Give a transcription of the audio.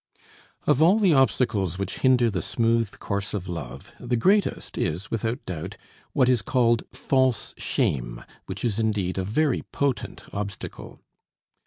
IV Of all the obstacles which hinder the smooth course of love, the greatest is, without doubt, what is called false shame, which is indeed a very potent obstacle.